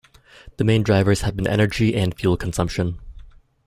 The main drivers have been energy and fuel consumption.